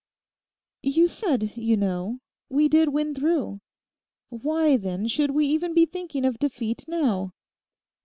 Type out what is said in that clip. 'You said, you know, we did win through. Why then should we be even thinking of defeat now?